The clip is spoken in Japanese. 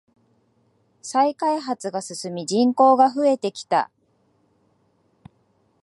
再開発が進み人口が増えてきた。